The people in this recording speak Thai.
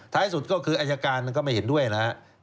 สุดก็คืออายการมันก็ไม่เห็นด้วยนะครับ